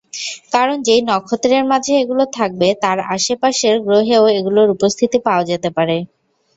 কারণ যেই নক্ষত্রের মাঝে এগুলো থাকবে তার আশেপাশের গ্রহেও এগুলোর উপস্থিতি পাওয়া যেতে পারে।